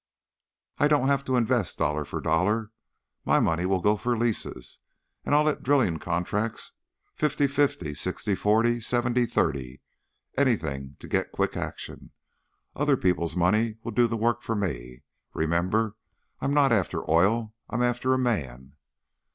"I don't have to invest dollar for dollar. My money will go for leases, and I'll let drilling contracts, fifty fifty, sixty forty, seventy thirty anything to get quick action. Other people's money will do the work for me. Remember, I'm not after oil, I'm after a man."